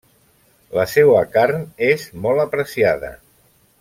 La seua carn és molt apreciada.